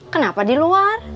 kenapa di luar